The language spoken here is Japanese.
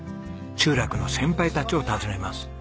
集落の先輩たちを訪ねます。